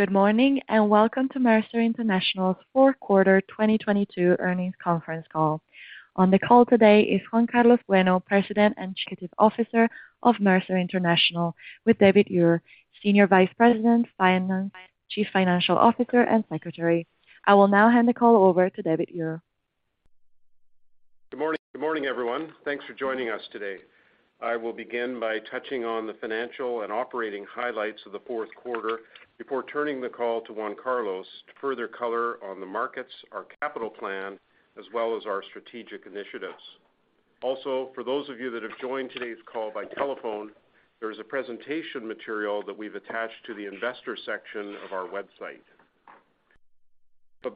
Good morning, and welcome to Mercer International's fourth quarter 2022 earnings conference call. On the call today is Juan Carlos Bueno, President and Chief Officer of Mercer International, with David Ure, Senior Vice President, Finance, Chief Financial Officer, and Secretary. I will now hand the call over to David Ure. Good morning, everyone. Thanks for joining us today. I will begin by touching on the financial and operating highlights of the fourth quarter before turning the call to Juan Carlos to further color on the markets, our capital plan, as well as our strategic initiatives. For those of you that have joined today's call by telephone, there is a presentation material that we've attached to the investor section of our website.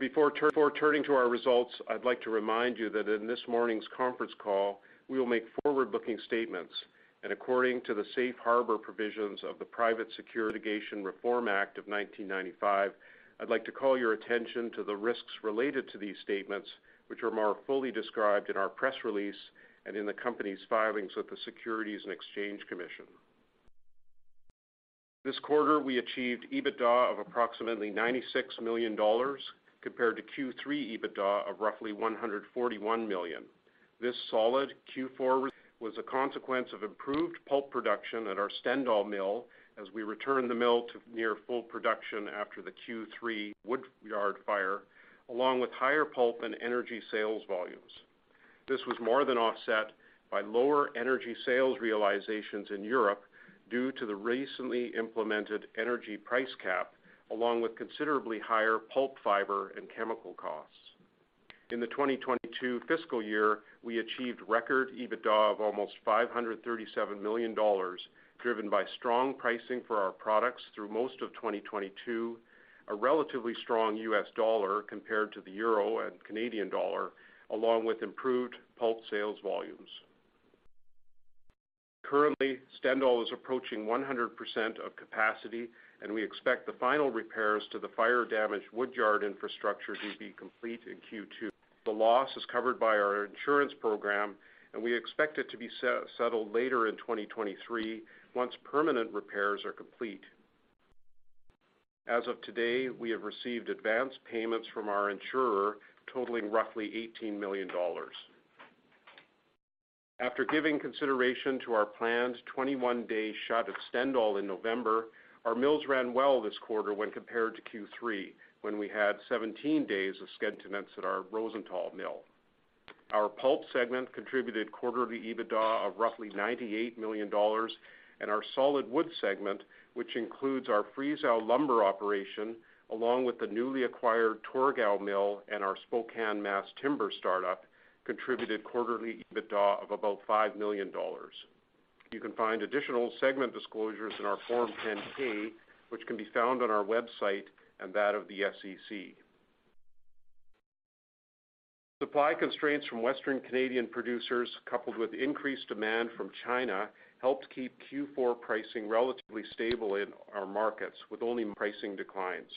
Before turning to our results, I'd like to remind you that in this morning's conference call, we will make forward-looking statements. According to the Safe Harbor provisions of the Private Securities Litigation Reform Act of 1995, I'd like to call your attention to the risks related to these statements, which are more fully described in our press release and in the company's filings with the Securities and Exchange Commission. This quarter, we achieved EBITDA of approximately $96 million compared to Q3 EBITDA of roughly $141 million. This solid Q4 was a consequence of improved pulp production at our Stendal mill as we return the mill to near full production after the Q3 wood yard fire, along with higher pulp and energy sales volumes. This was more than offset by lower energy sales realizations in Europe due to the recently implemented energy price cap, along with considerably higher pulp fiber and chemical costs. In the 2022 fiscal year, we achieved record EBITDA of almost $537 million, driven by strong pricing for our products through most of 2022, a relatively strong US dollar compared to the euro and Canadian dollar, along with improved pulp sales volumes. Currently, Stendal is approaching 100% of capacity. We expect the final repairs to the fire-damaged wood yard infrastructure to be complete in Q2. The loss is covered by our insurance program. We expect it to be settled later in 2023 once permanent repairs are complete. As of today, we have received advanced payments from our insurer totaling roughly $18 million. After giving consideration to our planned 21-day shot of Stendal in November, our mills ran well this quarter when compared to Q3, when we had 17 days of schedule at our Rosenthal mill. Our pulp segment contributed quarterly EBITDA of roughly $98 million, and our solid wood segment, which includes our Friesau lumber operation, along with the newly acquired Torgau mill and our Spokane mass timber startup, contributed quarterly EBITDA of about $5 million. You can find additional segment disclosures in our Form 10-K, which can be found on our website and that of the SEC. Supply constraints from Western Canadian producers, coupled with increased demand from China, helped keep Q4 pricing relatively stable in our markets, with only pricing declines.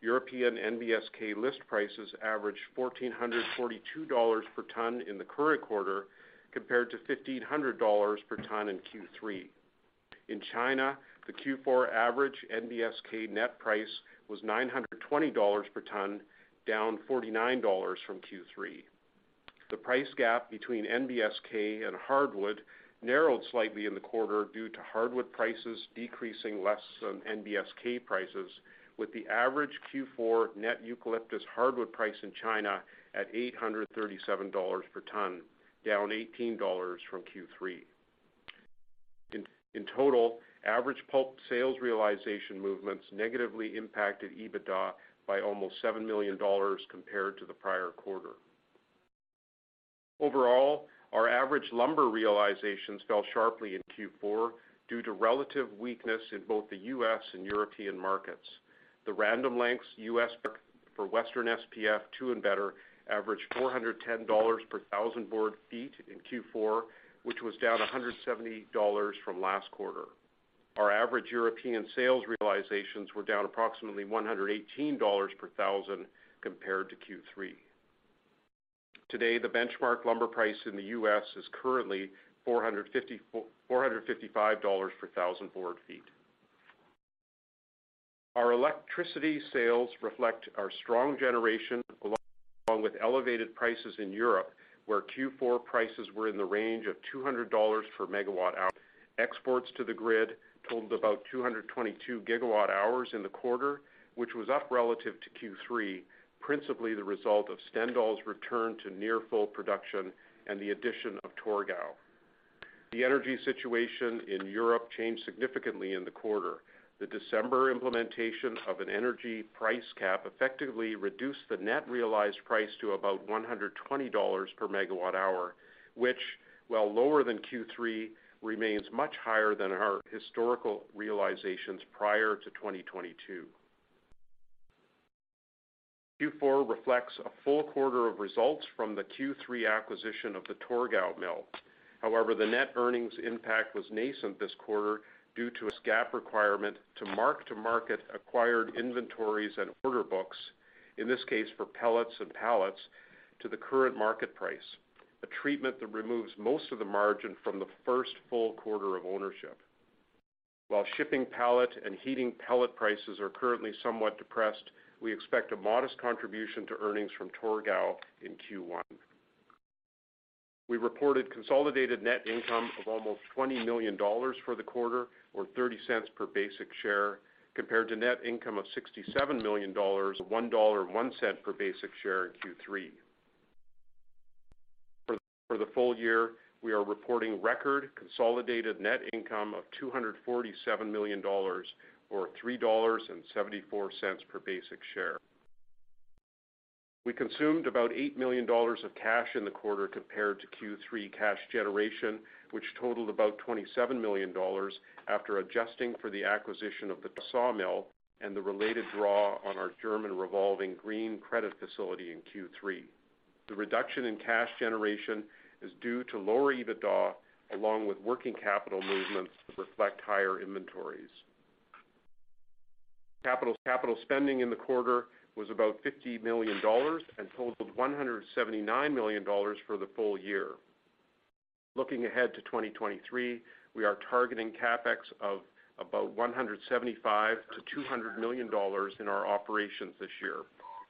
European NBSK list prices averaged $1,442 per ton in the current quarter, compared to $1,500 per ton in Q3. In China, the Q4 average NBSK net price was $920 per ton, down $49 from Q3. The price gap between NBSK and hardwood narrowed slightly in the quarter due to hardwood prices decreasing less than NBSK prices with the average Q4 net eucalyptus hardwood price in China at $837 per ton, down $18 from Q3. In total, average pulp sales realization movements negatively impacted EBITDA by almost $7 million compared to the prior quarter. Our average lumber realizations fell sharply in Q4 due to relative weakness in both the U.S. and European markets. Random Lengths U.S. for Western SPF 2 and better averaged $410 per thousand board feet in Q4, which was down $170 from last quarter. Our average European sales realizations were down approximately $118 per thousand compared to Q3. Today, the benchmark lumber price in the U.S. is currently $455 per thousand board feet. Our electricity sales reflect our strong generation along with elevated prices in Europe, where Q4 prices were in the range of $200 per megawatt hour. Exports to the grid totaled about 222 gigawatt hours in the quarter, which was up relative to Q3, principally the result of Stendal's return to near full production and the addition of Torgau. The energy situation in Europe changed significantly in the quarter. The December implementation of an energy price cap effectively reduced the net realized price to about $120 per megawatt hour, which, while lower than Q3, remains much higher than our historical realizations prior to 2022. Q4 reflects a full quarter of results from the Q3 acquisition of the Torgau mill. However, net earnings impact was nascent this quarter due to a GAAP requirement to mark to market acquired inventories and order books, in this case, for pellets and pallets to the current market price, a treatment that removes most of the margin from the first full quarter of ownership. While shipping pallet and heating pellet prices are currently somewhat depressed, we expect a modest contribution to earnings from Torgau in Q1. We reported consolidated net income of almost $20 million for the quarter, or $0.30 per basic share, compared to net income of $67 million or $1.01 per basic share in Q3. For the full year, we are reporting record consolidated net income of $247 million or $3.74 per basic share. We consumed about $8 million of cash in the quarter compared to Q3 cash generation, which totaled about $27 million after adjusting for the acquisition of the sawmill and the related draw on our German revolving green credit facility in Q3. The reduction in cash generation is due to lower EBITDA along with working capital movements that reflect higher inventories. Capital spending in the quarter was about $50 million and totaled $179 million for the full year. Looking ahead to 2023, we are targeting CapEx of about $175 million-$200 million in our operations this year.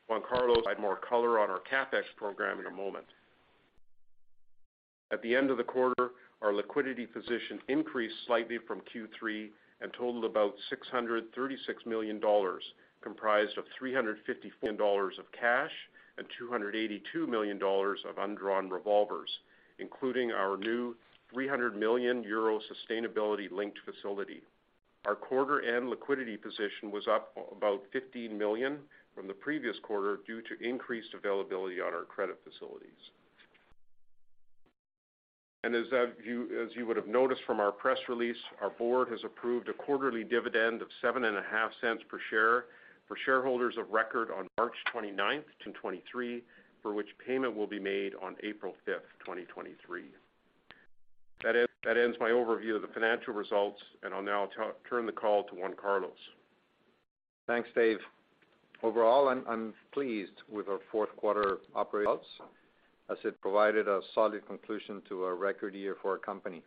Juan Carlos will provide more color on our CapEx program in a moment. At the end of the quarter, our liquidity position increased slightly from Q3 and totaled about $636 million, comprised of $354 million of cash and $282 million of undrawn revolvers, including our new 300 million euro sustainability-linked facility. Our quarter end liquidity position was up about $15 million from the previous quarter due to increased availability on our credit facilities. As you would have noticed from our press release, our board has approved a quarterly dividend of $0.075 per share for shareholders of record on March 29th, 2023, for which payment will be made on April 5th, 2023. That ends my overview of the financial results. I'll now turn the call to Juan Carlos. Thanks, Dave. Overall, I'm pleased with our fourth quarter operating results as it provided a solid conclusion to a record year for our company.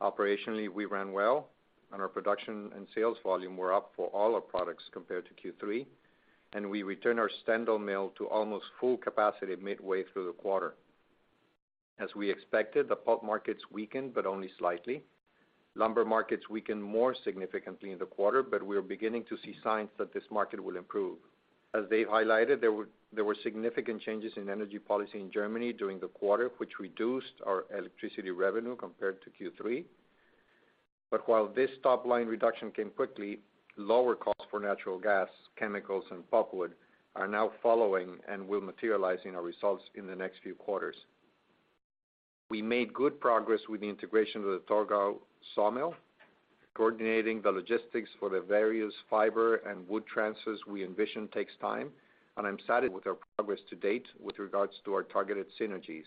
Operationally, we ran well and our production and sales volume were up for all our products compared to Q3, and we returned our stand-alone mill to almost full capacity midway through the quarter. As we expected, the pulp markets weakened, but only slightly. Lumber markets weakened more significantly in the quarter, but we are beginning to see signs that this market will improve. As Dave highlighted, there were significant changes in energy policy in Germany during the quarter, which reduced our electricity revenue compared to Q3. While this top-line reduction came quickly, lower costs for natural gas, chemicals, and pulpwood are now following and will materialize in our results in the next few quarters. We made good progress with the integration of the Torgau sawmill, coordinating the logistics for the various fiber and wood transfers we envision takes time, and I'm satisfied with our progress to date with regards to our targeted synergies.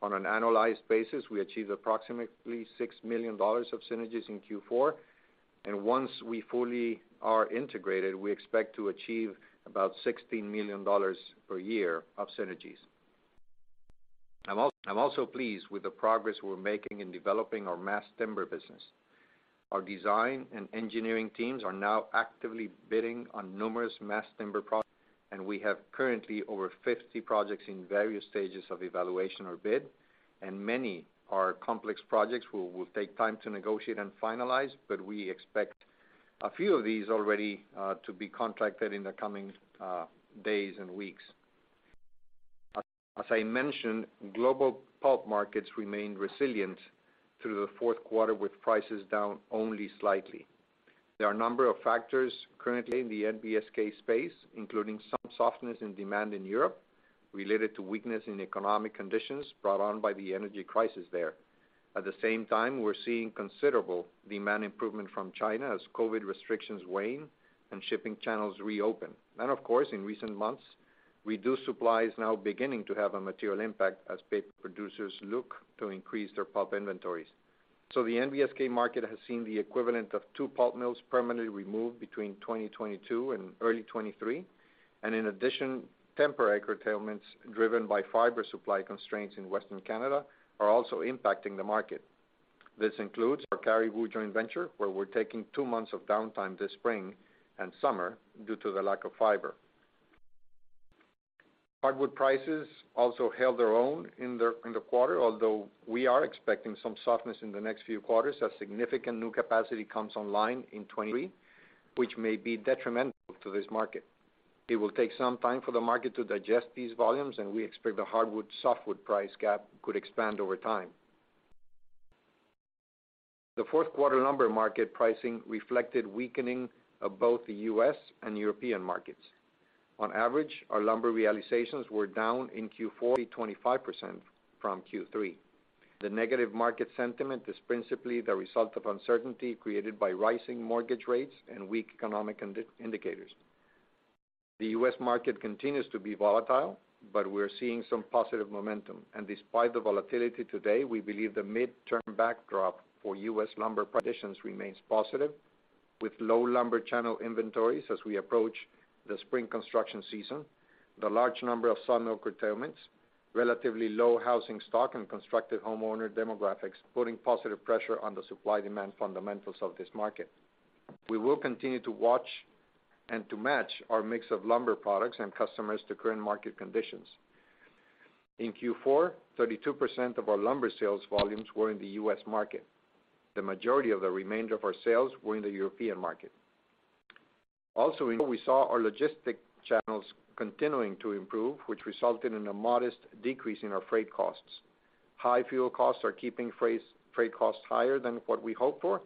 On an annualized basis, we achieved approximately $6 million of synergies in Q4. Once we fully are integrated, we expect to achieve about $60 million per year of synergies. I'm also pleased with the progress we're making in developing our mass timber business. Our design and engineering teams are now actively bidding on numerous mass timber projects. We have currently over 50 projects in various stages of evaluation or bid. Many are complex projects that will take time to negotiate and finalize. We expect a few of these already to be contracted in the coming days and weeks. As I mentioned, global pulp markets remained resilient through the fourth quarter, with prices down only slightly. There are a number of factors currently in the NBSK space, including some softness in demand in Europe related to weakness in economic conditions brought on by the energy crisis there. Of course, in recent months, reduced supply is now beginning to have a material impact as paper producers look to increase their pulp inventories. The NBSK market has seen the equivalent of two pulp mills permanently removed between 2022 and early 2023. In addition, temporary curtailments driven by fiber supply constraints in Western Canada are also impacting the market. This includes our Cariboo joint venture, where we're taking two months of downtime this spring and summer due to the lack of fiber. Hardwood prices also held their own in the quarter, although we are expecting some softness in the next few quarters as significant new capacity comes online in 2023, which may be detrimental to this market. It will take some time for the market to digest these volumes, and we expect the hardwood-softwood price gap could expand over time. The fourth quarter lumber market pricing reflected weakening of both the U.S. and European markets. On average, our lumber realizations were down in Q4, 25% from Q3. The negative market sentiment is principally the result of uncertainty created by rising mortgage rates and weak economic indicators. The U.S. market continues to be volatile, but we're seeing some positive momentum. Despite the volatility today, we believe the midterm backdrop for U.S. lumber conditions remains positive. With low lumber channel inventories as we approach the spring construction season, the large number of sawmill curtailments, relatively low housing stock, and constructed homeowner demographics putting positive pressure on the supply-demand fundamentals of this market. We will continue to watch and to match our mix of lumber products and customers to current market conditions. In Q4, 32% of our lumber sales volumes were in the U.S. market. The majority of the remainder of our sales were in the European market. Also, we saw our logistic channels continuing to improve, which resulted in a modest decrease in our freight costs. High fuel costs are keeping freight costs higher than what we hoped for,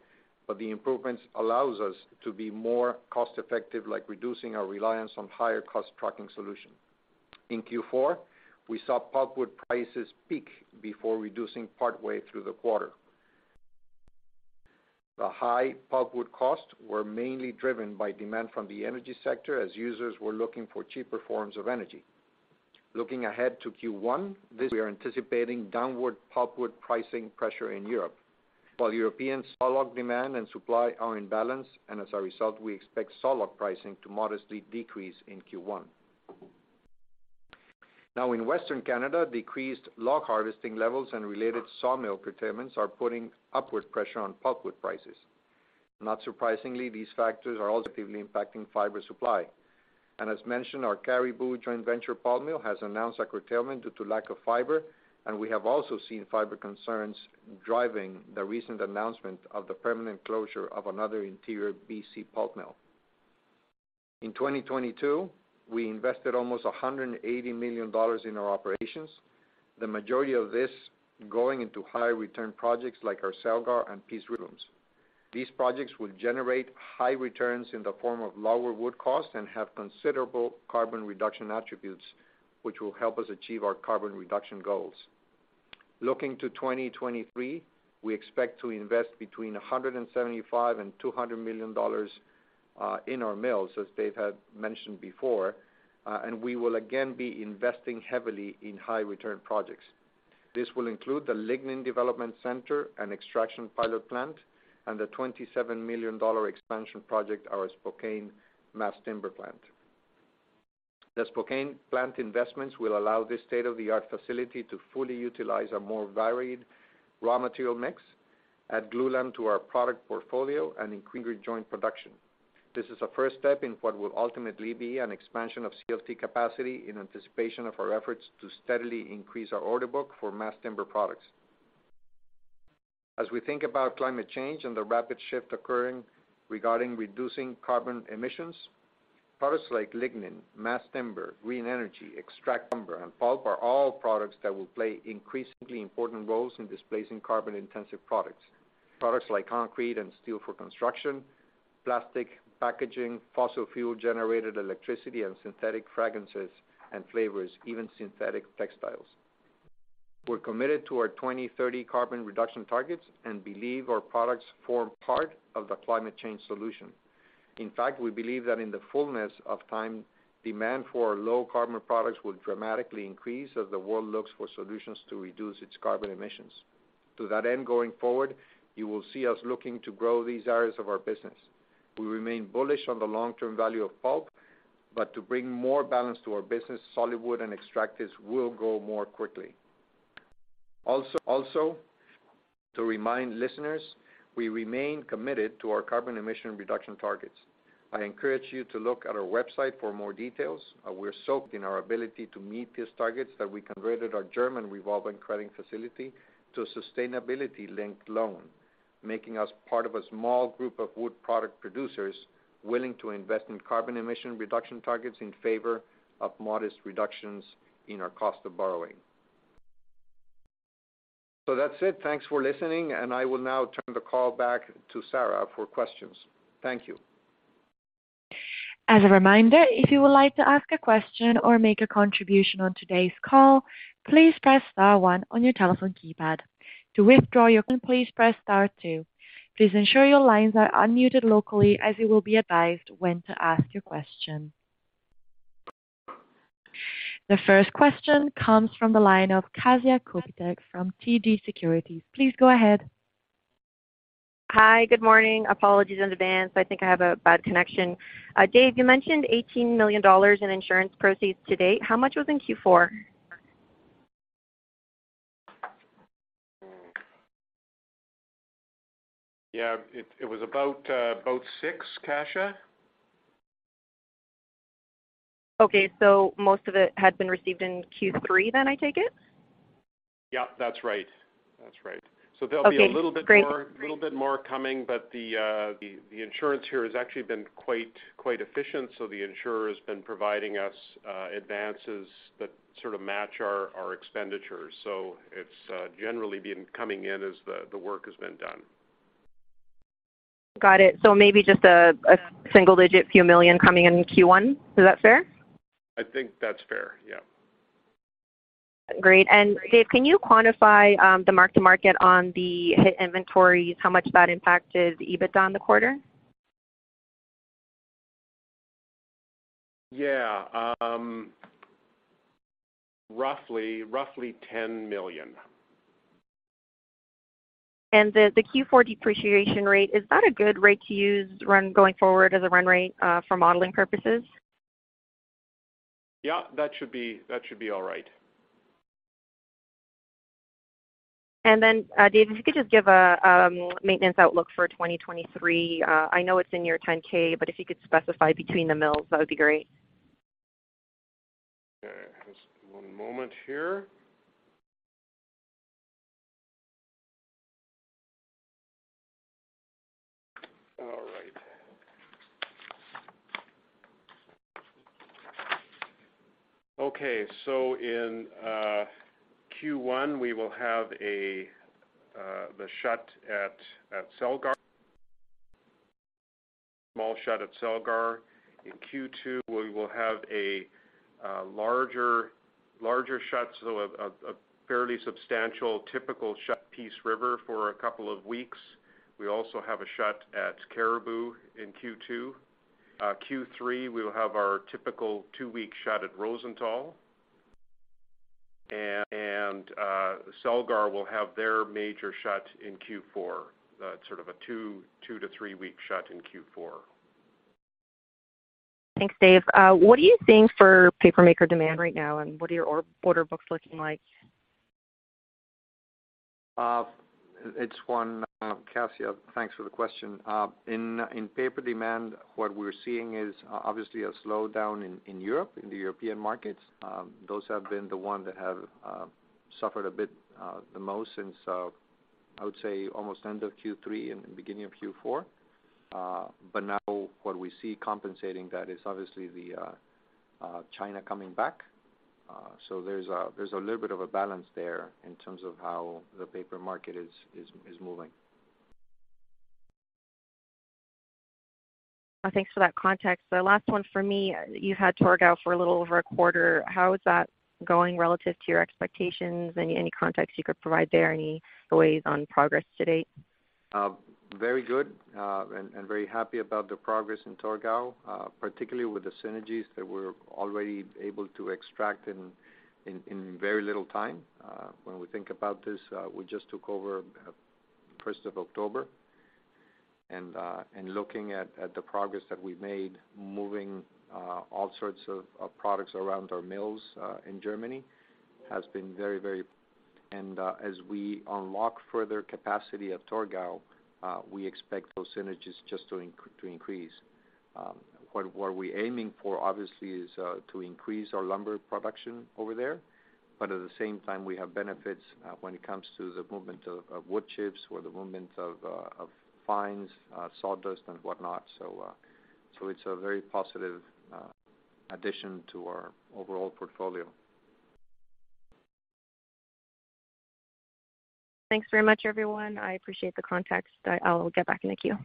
but the improvements allows us to be more cost effective, like reducing our reliance on higher cost trucking solution. In Q4, we saw pulpwood prices peak before reducing partway through the quarter. The high pulpwood costs were mainly driven by demand from the energy sector as users were looking for cheaper forms of energy. Looking ahead to Q1, we are anticipating downward pulpwood pricing pressure in Europe, while European solid demand and supply are in balance, and as a result, we expect solid pricing to modestly decrease in Q1. In Western Canada, decreased log harvesting levels and related sawmill curtailments are putting upward pressure on pulpwood prices. Not surprisingly, these factors are also negatively impacting fiber supply. As mentioned, our Cariboo joint venture pulp mill has announced a curtailment due to lack of fiber, and we have also seen fiber concerns driving the recent announcement of the permanent closure of another interior BC pulp mill. In 2022, we invested almost $180 million in our operations, the majority of this going into high return projects like our Celgar and Peace River. These projects will generate high returns in the form of lower wood costs and have considerable carbon reduction attributes, which will help us achieve our carbon reduction goals. Looking to 2023, we expect to invest between $175 million and $200 million in our mills, as Dave had mentioned before, we will again be investing heavily in high return projects. This will include the Lignin Development Center and extraction pilot plant and the $27 million expansion project, our Spokane mass timber plant. The Spokane plant investments will allow this state-of-the-art facility to fully utilize a more varied raw material mix, add glulam to our product portfolio and increase joint production. This is a first step in what will ultimately be an expansion of CLT capacity in anticipation of our efforts to steadily increase our order book for mass timber products. As we think about climate change and the rapid shift occurring regarding reducing carbon emissions, products like lignin, mass timber, green energy, extract lumber, and pulp are all products that will play increasingly important roles in displacing carbon-intensive products. Products like concrete and steel for construction, plastic packaging, fossil fuel-generated electricity and synthetic fragrances and flavors, even synthetic textiles. We're committed to our 2030 carbon reduction targets and believe our products form part of the climate change solution. In fact, we believe that in the fullness of time, demand for our low carbon products will dramatically increase as the world looks for solutions to reduce its carbon emissions. To that end, going forward, you will see us looking to grow these areas of our business. We remain bullish on the long-term value of pulp, but to bring more balance to our business, solid wood and extractives will grow more quickly. Also, to remind listeners, we remain committed to our carbon emission reduction targets. I encourage you to look at our website for more details. We're so confident in our ability to meet these targets that we converted our German revolving credit facility to a sustainability-linked loan, making us part of a small group of wood product producers willing to invest in carbon emission reduction targets in favor of modest reductions in our cost of borrowing. That's it. Thanks for listening, and I will now turn the call back to Sarah for questions. Thank you. As a reminder, if you would like to ask a question or make a contribution on today's call, please press star one on your telephone keypad. To withdraw your line, please press star two. Please ensure your lines are unmuted locally as you will be advised when to ask your question. The first question comes from the line of Sean Steuart from TD Securities. Please go ahead. Hi. Good morning. Apologies in advance. I think I have a bad connection. Dave, you mentioned $18 million in insurance proceeds to date. How much was in Q4? Yeah, it was about six, Kasia. Okay. Most of it had been received in Q3 then, I take it? Yeah, that's right. That's right. Okay, great. There'll be a little bit more coming. The insurance here has actually been quite efficient. The insurer has been providing us advances that sort of match our expenditures. It's generally been coming in as the work has been done. Got it. Maybe just a single digit few $ million coming in in Q1. Is that fair? I think that's fair, yeah. Great. Dave, can you quantify the mark to market on the hit inventories, how much that impacted EBITDA in the quarter? Yeah. roughly $10 million. The, the Q4 depreciation rate, is that a good rate to use going forward as a run rate for modeling purposes? Yeah, that should be all right. Dave, if you could just give a maintenance outlook for 2023. I know it's in your 10-K, but if you could specify between the mills, that would be great. Okay. Just one moment here. All right. Okay. In Q1, we will have a the shut at Celgar. Small shut at Celgar. In Q2, we will have a larger shut, so a fairly substantial typical shut at Peace River for a couple of weeks. We also have a shut at Cariboo in Q2. Q3, we will have our typical two-week shut at Rosenthal. Celgar will have their major shut in Q4, sort of a two to three-week shut in Q4. Thanks, Dave. What are you seeing for paper maker demand right now, and what are your order books looking like? It's Juan Carlos. Thanks for the question. In paper demand, what we're seeing is obviously a slowdown in Europe, in the European markets. Those have been the one that have suffered a bit the most since I would say almost end of Q3 and beginning of Q4. But now what we see compensating that is obviously China coming back. So there's a little bit of a balance there in terms of how the paper market is moving. Thanks for that context. The last one for me, you had Torgau for a little over a quarter. How is that going relative to your expectations? Any context you could provide there? Any ways on progress to date? Very good, and very happy about the progress in Torgau, particularly with the synergies that we're already able to extract in very little time. When we think about this, we just took over first of October. Looking at the progress that we've made, moving all sorts of products around our mills in Germany has been very. As we unlock further capacity at Torgau, we expect those synergies just to increase. What we're aiming for, obviously, is to increase our lumber production over there. At the same time, we have benefits when it comes to the movement of wood chips or the movement of fines, sawdust and whatnot. It's a very positive addition to our overall portfolio. Thanks very much, everyone. I appreciate the context. I'll get back in the queue.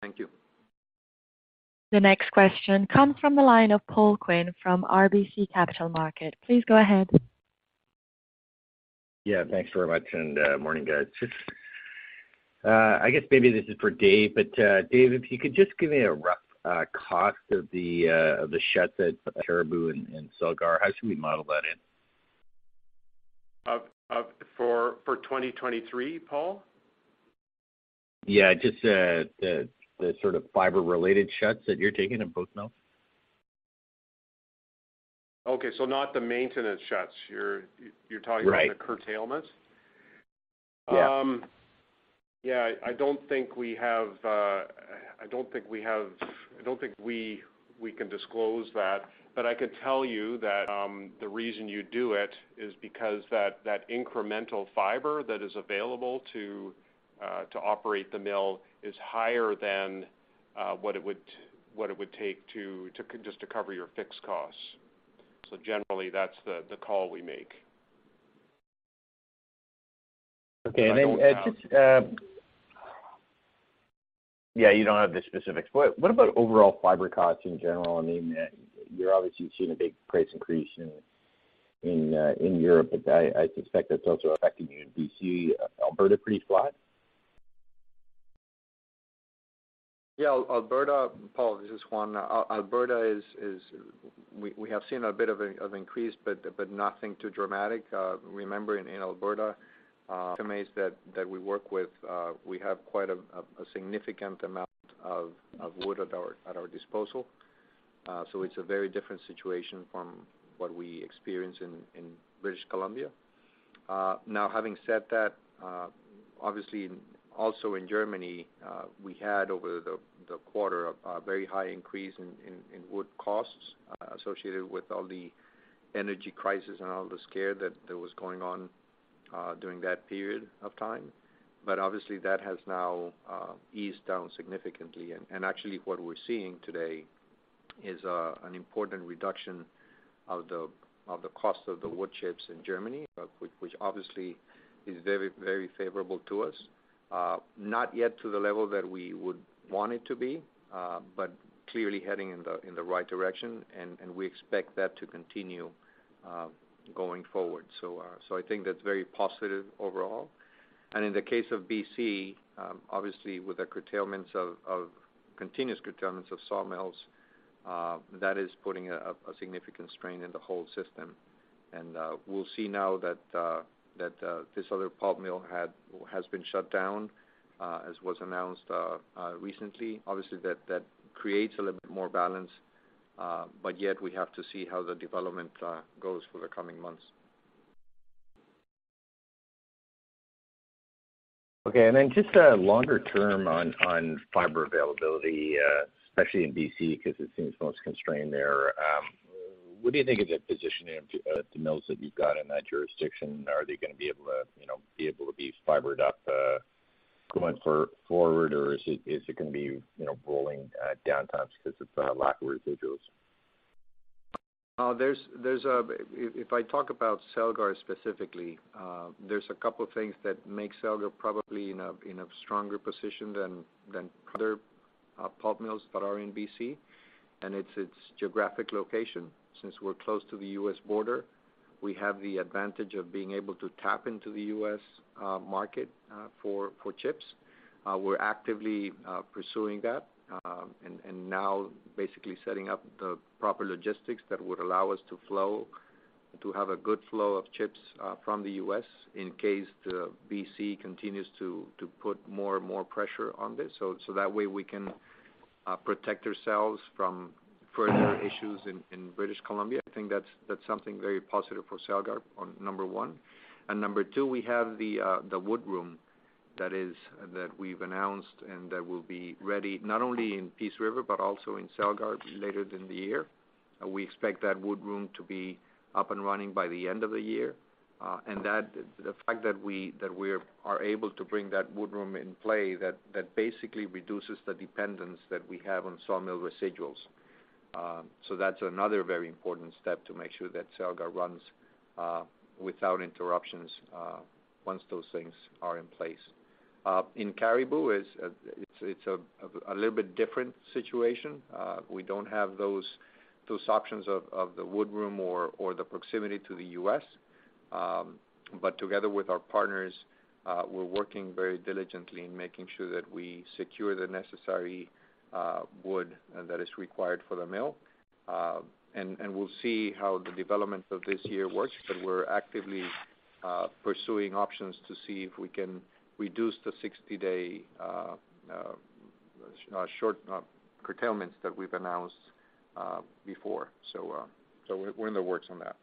Thank you. The next question comes from the line of Paul Quinn from RBC Capital Markets. Please go ahead. Thanks very much. Morning, guys. I guess maybe this is for Dave, but Dave, if you could just give me a rough cost of the shuts at Cariboo and Celgar. How should we model that in? Of for 2023, Paul? Just the sort of fiber-related shuts that you're taking in both mills. Okay, not the maintenance shuts. You're talking about- Right. The curtailments? Yeah. Yeah, I don't think we have. I don't think we can disclose that. I can tell you that the reason you do it is because that incremental fiber that is available to operate the mill is higher than what it would take to just to cover your fixed costs. Generally, that's the call we make. Okay. I don't have. Just. Yeah, you don't have the specifics. What about overall fiber costs in general? I mean, you're obviously seeing a big price increase in Europe, but I suspect that's also affecting you in BC. Alberta pretty flat? Yeah. Alberta, Paul, this is Juan. Alberta is. We have seen a bit of increase, but nothing too dramatic. Remembering in Alberta, customers that we work with, we have quite a significant amount of wood at our disposal. It's a very different situation from what we experience in British Columbia. Now, having said that, obviously, also in Germany, we had over the quarter a very high increase in wood costs associated with all the energy crisis and all the scare that there was going on during that period of time. Obviously, that has now eased down significantly. Actually, what we're seeing today is an important reduction of the cost of the wood chips in Germany, which obviously is very, very favorable to us. Not yet to the level that we would want it to be, but clearly heading in the right direction, and we expect that to continue going forward. I think that's very positive overall. In the case of BC, obviously with the curtailments of continuous curtailments of sawmills, that is putting a significant strain in the whole system. We'll see now that this other pulp mill has been shut down, as was announced recently. That creates a little bit more balance, yet we have to see how the development goes for the coming months. Just longer term on fiber availability, especially in BC, 'cause it seems most constrained there. What do you think is the positioning of the mills that you've got in that jurisdiction? Are they gonna be able to, you know, be able to be fibered up going forward, or is it gonna be, you know, rolling downtimes because of the lack of residuals? There's a... If I talk about Celgar specifically, there's a couple things that make Celgar probably in a stronger position than other pulp mills that are in BC, and it's its geographic location. Since we're close to the U.S. border, we have the advantage of being able to tap into the U.S. market for chips. We're actively pursuing that, and now basically setting up the proper logistics that would allow us to have a good flow of chips from the U.S. in case the BC continues to put more and more pressure on this. That way we can protect ourselves from further issues in British Columbia. I think that's something very positive for Celgar on number one. Number two, we have the woodroom that we've announced and that will be ready not only in Peace River, but also in Celgar later in the year. We expect that woodroom to be up and running by the end of the year. That, the fact that we are able to bring that woodroom in play, that basically reduces the dependence that we have on sawmill residuals. So that's another very important step to make sure that Celgar runs without interruptions, once those things are in place. In Cariboo, it's a little bit different situation. We don't have those options of the woodroom or the proximity to the U.S. Together with our partners, we're working very diligently in making sure that we secure the necessary wood that is required for the mill. We'll see how the development of this year works, but we're actively pursuing options to see if we can reduce the 60-day short curtailments that we've announced before. We're in the works on that.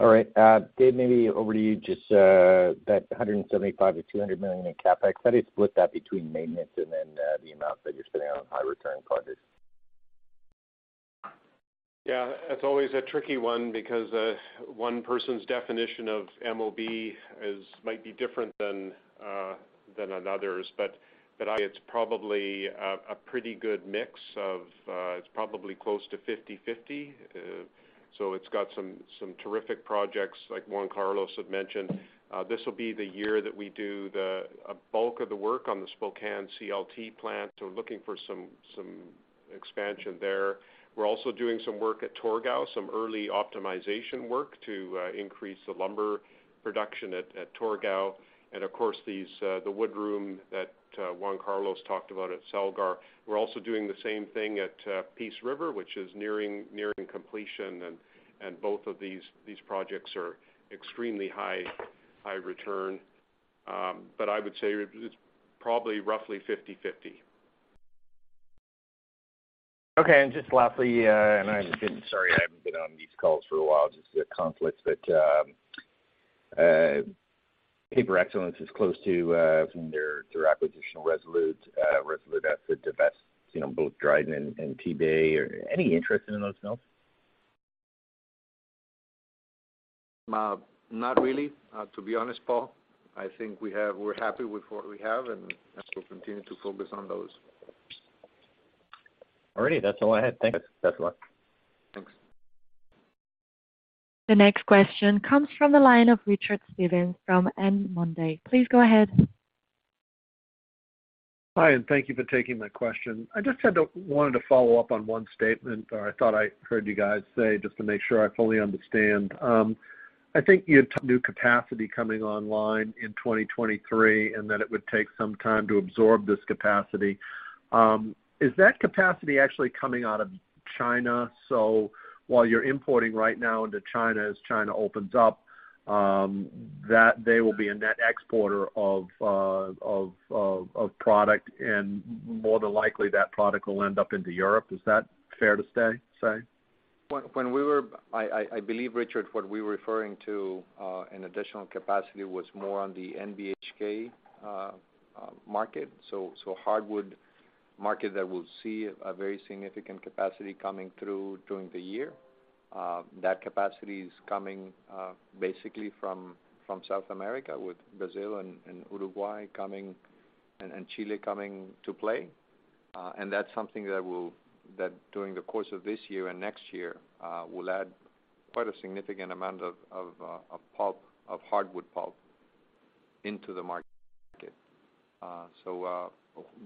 All right. Dave, maybe over to you just, that $175 million-$200 million in CapEx. How do you split that between maintenance and then, the amount that you're spending on high return projects? Yeah. It's always a tricky one because, one person's definition of MOB is, might be different than another's. It's probably a pretty good mix of, it's probably close to 50/50. It's got some terrific projects like Juan Carlos had mentioned. This will be the year that we do the bulk of the work on the Spokane CLT plant, so we're looking for some expansion there. We're also doing some work at Torgau, some early optimization work to increase the lumber production at Torgau. Of course, these, the woodroom that Juan Carlos talked about at Celgar. We're also doing the same thing at Peace River, which is nearing completion, and both of these projects are extremely high return. I would say it's probably roughly 50/50. Okay. Just lastly, sorry, I haven't been on these calls for a while due to the conflicts. Paper Excellence is close to from their acquisitional Resolute assets, the best, you know, both Dryden and Tebay. Any interest in those mills? not really, to be honest, Paul. I think we're happy with what we have, and we'll continue to focus on those. All righty. That's all I had. Thanks. Best of luck. Thanks. The next question comes from the line of Richard Stevens from Momenta. Please go ahead. Hi, thank you for taking my question. I just wanted to follow up on one statement, or I thought I heard you guys say, just to make sure I fully understand. I think you had new capacity coming online in 2023, that it would take some time to absorb this capacity. Is that capacity actually coming out of China? While you're importing right now into China, as China opens up, that they will be a net exporter of product, more than likely that product will end up into Europe. Is that fair to say? When we were I believe, Richard, what we were referring to, an additional capacity was more on the NBHK market. hardwood market that will see a very significant capacity coming through during the year. That capacity is coming basically from South America with Brazil and Uruguay coming, and Chile coming to play. And that's something that will during the course of this year and next year will add quite a significant amount of pulp, of hardwood pulp into the market.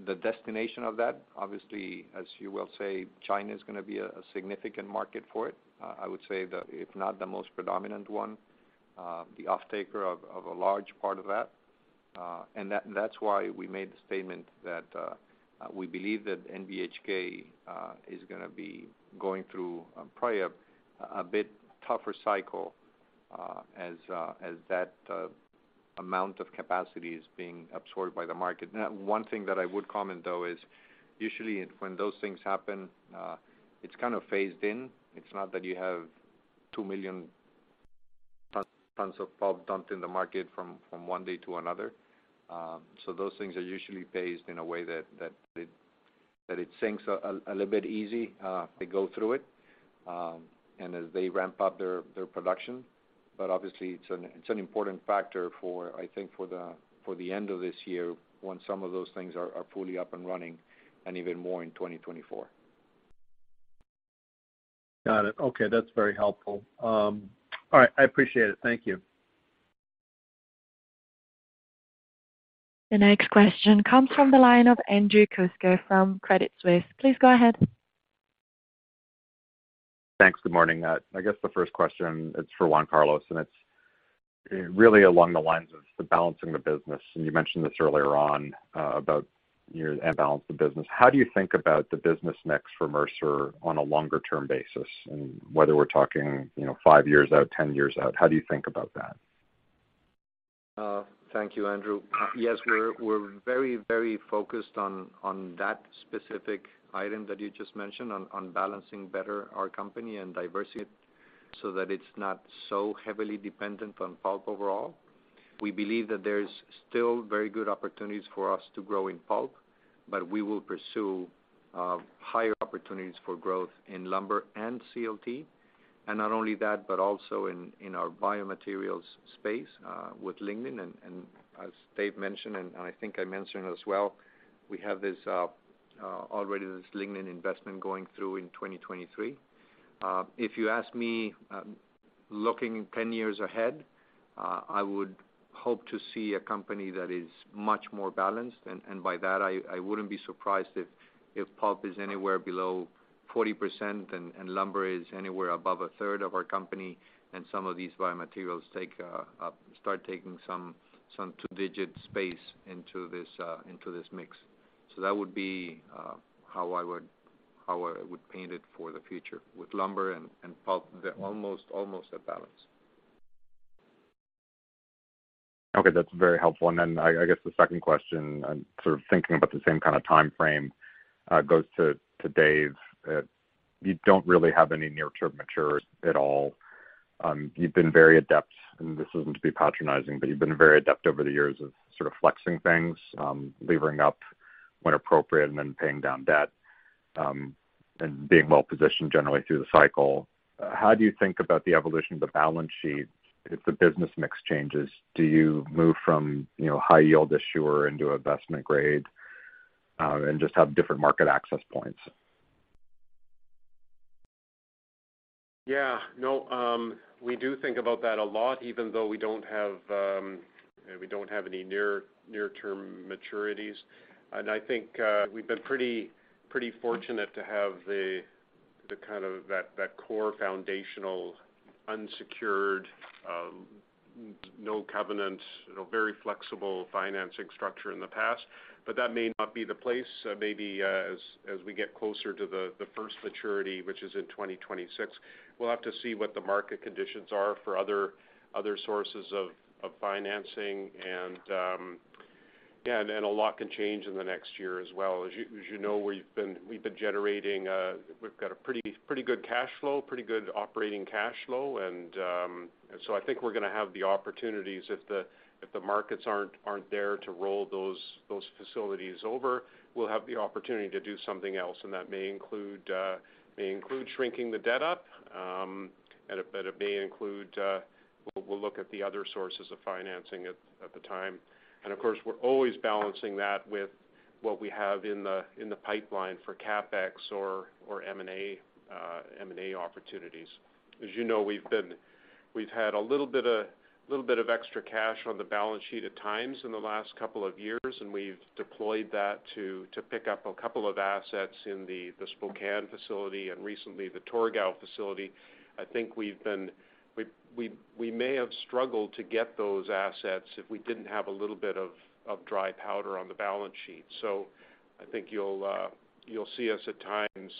The destination of that, obviously, as you will say, China is gonna be a significant market for it. I would say that if not the most predominant one, the offtaker of a large part of that. That's why we made the statement that we believe that NBSK is gonna be going through probably a bit tougher cycle as that amount of capacity is being absorbed by the market. One thing that I would comment though is usually when those things happen, it's kind of phased in. It's not that you have 2 million tons of pulp dumped in the market from one day to another. Those things are usually phased in a way that it sinks a little bit easy to go through it and as they ramp up their production. Obviously, it's an important factor for, I think for the end of this year when some of those things are fully up and running and even more in 2024. Got it. Okay, that's very helpful. All right, I appreciate it. Thank you. The next question comes from the line of Andrew Kuske from Credit Suisse. Please go ahead. Thanks. Good morning. I guess the first question is for Juan Carlos, and it's really along the lines of the balancing the business. You mentioned this earlier on about your imbalance in business. How do you think about the business mix for Mercer on a longer term basis? Whether we're talking, you know, 5 years out, 10 years out, how do you think about that? Thank you, Andrew. Yes, we're very, very focused on that specific item that you just mentioned on balancing better our company and diversity so that it's not so heavily dependent on pulp overall. We believe that there's still very good opportunities for us to grow in pulp, but we will pursue higher opportunities for growth in lumber and CLT. Not only that, but also in our biomaterials space with lignin. As Dave mentioned, and I think I mentioned as well, we have this already this lignin investment going through in 2023. If you ask me, looking 10 years ahead, I would hope to see a company that is much more balanced. By that I wouldn't be surprised if pulp is anywhere below 40% and lumber is anywhere above 1/3 of our company and some of these biomaterials take, start taking some 2-digit space into this mix. That would be, how I would, how I would paint it for the future with lumber and pulp they're almost at balance. Okay. That's very helpful. Then I guess the second question, I'm sort of thinking about the same kind of timeframe, goes to Dave. You don't really have any near-term matures at all. You've been very adept, and this isn't to be patronizing, but you've been very adept over the years of sort of flexing things, levering up when appropriate and then paying down debt, and being well-positioned generally through the cycle. How do you think about the evolution of the balance sheet if the business mix changes? Do you move from, you know, high yield issuer into investment grade, and just have different market access points? Yeah, no, we do think about that a lot, even though we don't have, we don't have any near-term maturities. I think, we've been pretty fortunate to have the kind of that core foundational unsecured, no covenant, you know, very flexible financing structure in the past. That may not be the place, maybe, as we get closer to the first maturity, which is in 2026. We'll have to see what the market conditions are for other sources of financing. Yeah, and a lot can change in the next year as well. As you, as you know, we've been generating, we've got a pretty good cash flow, pretty good operating cash flow. I think we're gonna have the opportunities if the markets aren't there to roll those facilities over, we'll have the opportunity to do something else. That may include shrinking the debt up, and it, but it may include, we'll look at the other sources of financing at the time. Of course, we're always balancing that with what we have in the pipeline for CapEx or M&A opportunities. As you know, we've had a little bit of extra cash on the balance sheet at times in the last couple of years, and we've deployed that to pick up a couple of assets in the Spokane facility and recently the Torgau facility. I think we may have struggled to get those assets if we didn't have a little bit of dry powder on the balance sheet. I think you'll you'll see us at times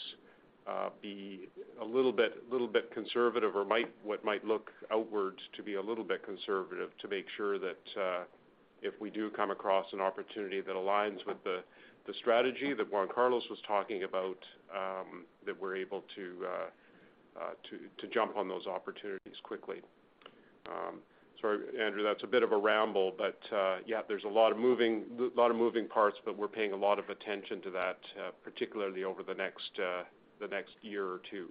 be a little bit conservative or what might look outwards to be a little bit conservative to make sure that if we do come across an opportunity that aligns with the strategy that Juan Carlos was talking about, that we're able to jump on those opportunities quickly. Sorry, Andrew, that's a bit of a ramble, but yeah, there's a lot of moving parts, but we're paying a lot of attention to that particularly over the next year or two.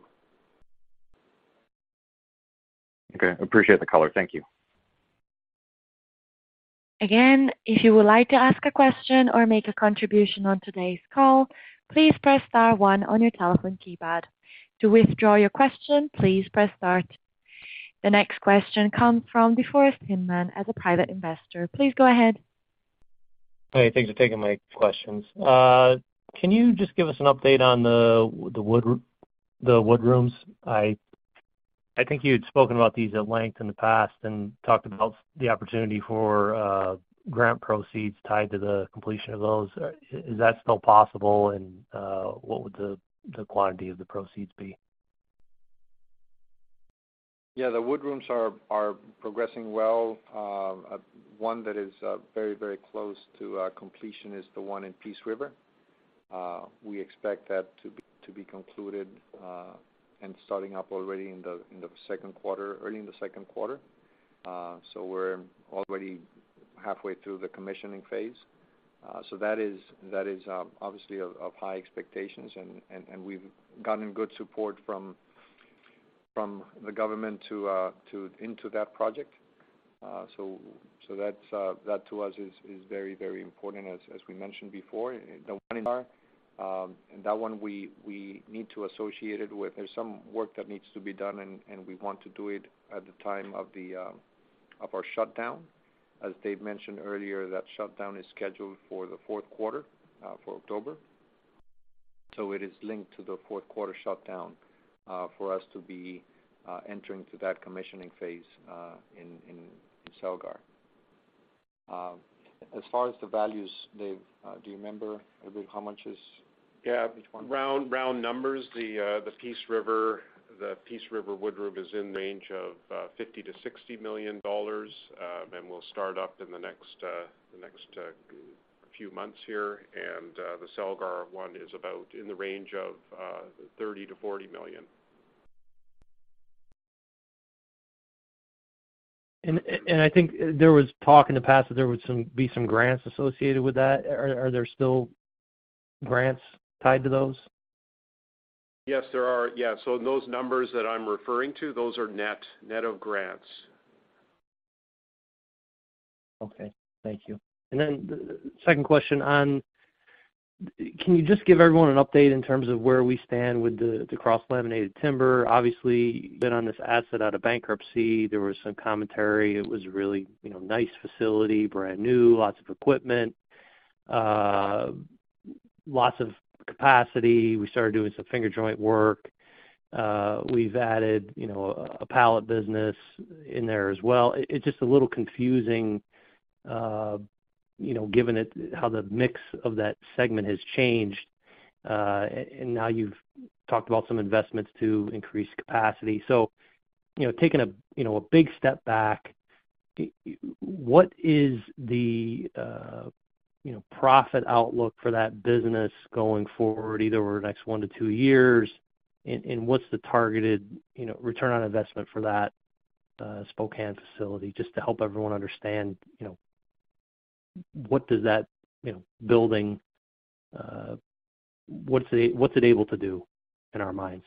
Okay. Appreciate the color. Thank you. If you would like to ask a question or make a contribution on today's call, please press star one on your telephone keypad. To withdraw your question, please press star two. The next question comes from Forest Inman as a private investor. Please go ahead. Hey, thanks for taking my questions. Can you just give us an update on the woodrooms? I think you had spoken about these at length in the past and talked about the opportunity for grant proceeds tied to the completion of those. Is that still possible? What would the quantity of the proceeds be? Yeah. The woodrooms are progressing well. One that is very close to completion is the one in Peace River. We expect that to be concluded and starting up already in the second quarter, early in the second quarter. We're already halfway through the commissioning phase. That is obviously of high expectations, and we've gotten good support from the government into that project. That's that to us is very important. As we mentioned before, the one in Celgar, that one we need to associate it with. There's some work that needs to be done, and we want to do it at the time of our shutdown. As Dave mentioned earlier, that shutdown is scheduled for the fourth quarter, for October. It is linked to the fourth quarter shutdown, for us to be entering to that commissioning phase in Celgar. As far as the values, Dave, do you remember about how much? Yeah. Which one? Round numbers. The Peace River wood room is in the range of, $50 million-$60 million, and will start up in the next few months here. The Celgar one is about in the range of, $30 million-$40 million. I think there was talk in the past that there would be some grants associated with that. Are there still grants tied to those? Yes, there are. Yeah. Those numbers that I'm referring to, those are net of grants. Okay. Thank you. Second question. Can you just give everyone an update in terms of where we stand with the cross-laminated timber? Obviously, been on this asset out of bankruptcy. There was some commentary. It was a really, you know, nice facility, brand new, lots of equipment, lots of capacity. We started doing some finger joint work. We've added, you know, a pallet business in there as well. It's just a little confusing, you know, given how the mix of that segment has changed. Now you've talked about some investments to increase capacity. You know, taking a, you know, a big step back, what is the, you know, profit outlook for that business going forward, either over the next 1-2 years? What's the targeted, you know, return on investment for that, Spokane facility? Just to help everyone understand, you know, what does that, you know, building, what's it able to do in our minds?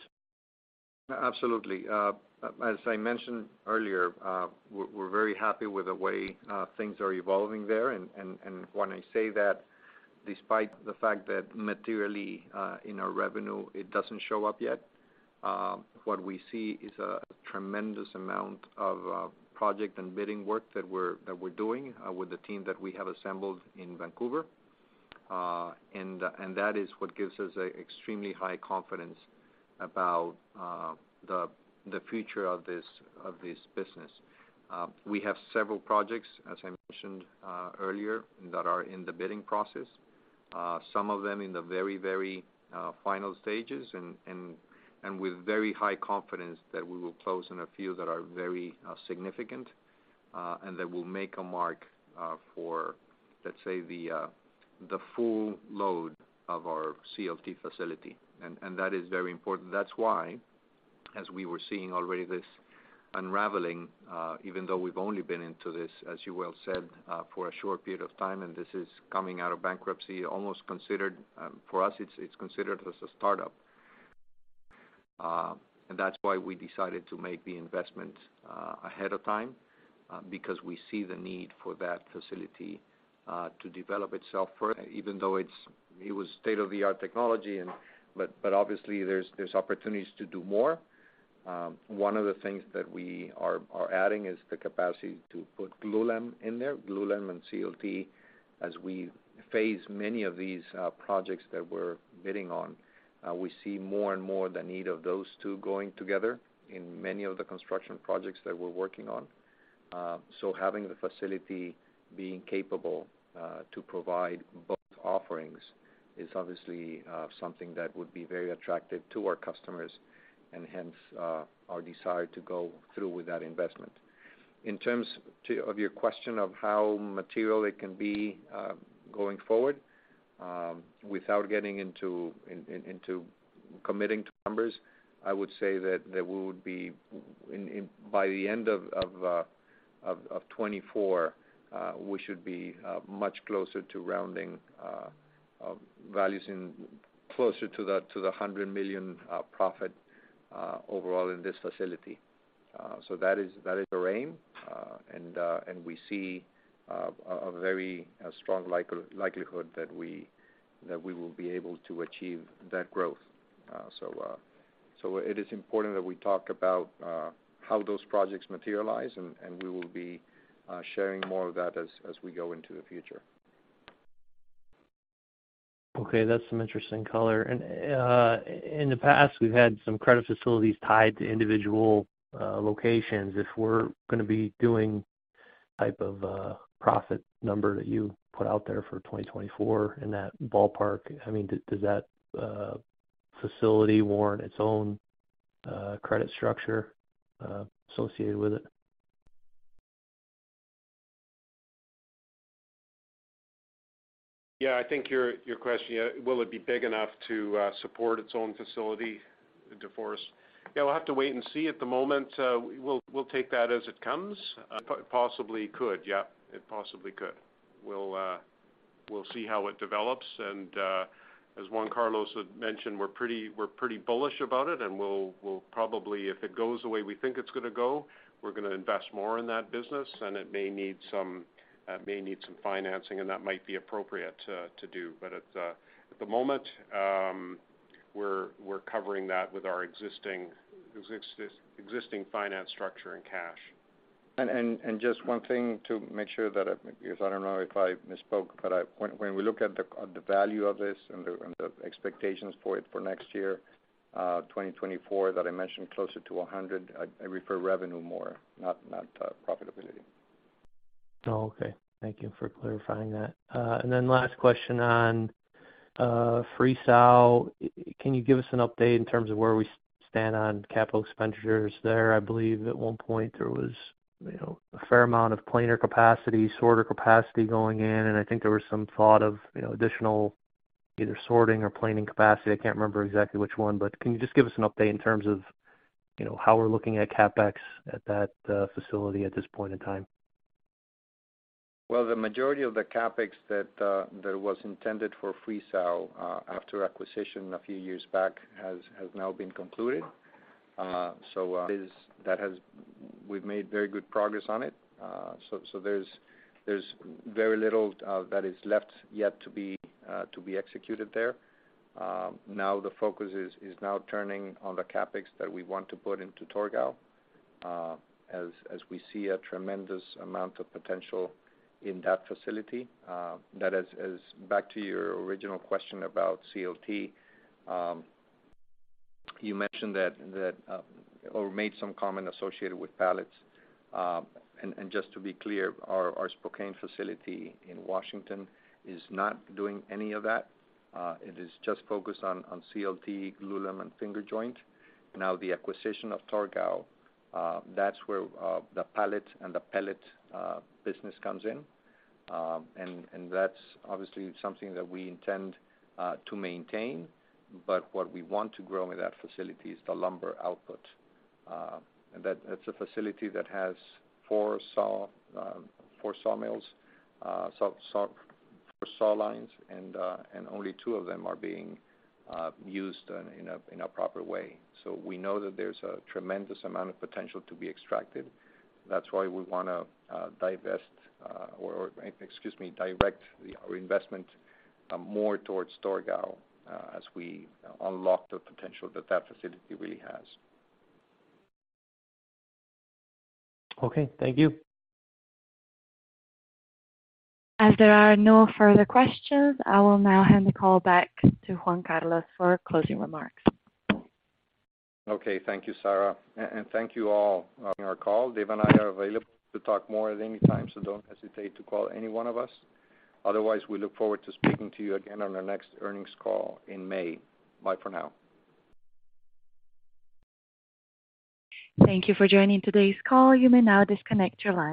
Absolutely. As I mentioned earlier, we're very happy with the way things are evolving there. When I say that, despite the fact that materially, in our revenue, it doesn't show up yet, what we see is a tremendous amount of project and bidding work that we're doing with the team that we have assembled in Vancouver. That is what gives us extremely high confidence about the future of this business. We have several projects, as I mentioned, earlier, that are in the bidding process. Some of them in the very, very final stages and with very high confidence that we will close on a few that are very significant and that will make a mark for, let's say, the full load of our CLT facility. That is very important. That's why, as we were seeing already this unraveling, even though we've only been into this, as you well said, for a short period of time, and this is coming out of bankruptcy, almost considered, for us, it's considered as a startup. That's why we decided to make the investment ahead of time because we see the need for that facility to develop itself further, even though it was state-of-the-art technology but obviously there's opportunities to do more. One of the things that we are adding is the capacity to put glulam in there, glulam and CLT. As we phase many of these projects that we're bidding on, we see more and more the need of those two going together in many of the construction projects that we're working on. Having the facility being capable to provide both offerings is obviously something that would be very attractive to our customers and hence our desire to go through with that investment. In terms of your question of how material it can be, going forward, without getting into committing to numbers, I would say that there would be by the end of 2024, we should be much closer to rounding values in closer to the $100 million profit overall in this facility. That is our aim. We see a very strong like-likelihood that we will be able to achieve that growth. It is important that we talk about how those projects materialize, and we will be sharing more of that as we go into the future. Okay, that's some interesting color. In the past, we've had some credit facilities tied to individual locations. If we're gonna be doing type of profit number that you put out there for 2024 in that ballpark, I mean, does that facility warrant its own credit structure associated with it? I think your question, will it be big enough to support its own facility to Forest? We'll have to wait and see at the moment. We'll take that as it comes. Possibly could. It possibly could. We'll see how it develops. As Juan Carlos had mentioned, we're pretty bullish about it, and we'll probably, if it goes the way we think it's gonna go, we're gonna invest more in that business, and it may need some financing, and that might be appropriate to do. At the moment, we're covering that with our existing finance structure and cash. Just one thing to make sure that, because I don't know if I misspoke, but when we look at the value of this and the expectations for it for next year, 2024, that I mentioned closer to $100, I refer revenue more, not profitability. Oh, okay. Thank you for clarifying that. And then last question on Friesau. Can you give us an update in terms of where we stand on capital expenditures there? I believe at one point there was, you know, a fair amount of planer capacity, sorter capacity going in, and I think there was some thought of, you know, additional either sorting or planing capacity. I can't remember exactly which one. Can you just give us an update in terms of, you know, how we're looking at CapEx at that facility at this point in time? The majority of the CapEx that was intended for Friesau after acquisition a few years back has now been concluded. We've made very good progress on it. There's very little that is left yet to be executed there. Now the focus is now turning on the CapEx that we want to put into Torgau as we see a tremendous amount of potential in that facility. That is back to your original question about CLT. You mentioned that or made some comment associated with pallets. Just to be clear, our Spokane facility in Washington is not doing any of that. It is just focused on CLT, glulam, and finger joint. The acquisition of Torgau, that's where the pallet and the pellet business comes in. That's obviously something that we intend to maintain, but what we want to grow with that facility is the lumber output. It's a facility that has four saw, four sawmills, four saw lines, and only two of them are being used in a proper way. We know that there's a tremendous amount of potential to be extracted. That's why we wanna divest or, excuse me, direct our investment more towards Torgau as we unlock the potential that that facility really has. Okay. Thank you. As there are no further questions, I will now hand the call back to Juan Carlos for closing remarks. Okay. Thank you, Sarah. Thank you all on our call. Dave and I are available to talk more at any time. Don't hesitate to call any one of us. Otherwise, we look forward to speaking to you again on our next earnings call in May. Bye for now. Thank you for joining today's call. You may now disconnect your line.